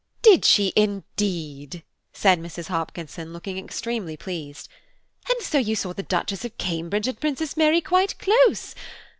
"Did she indeed?" said Mrs. Hopkinson, looking extremely pleased; "and so you saw the Duchess of Cambridge and Princess Mary quite close.